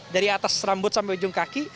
dari atas rambut sampai ujung kaki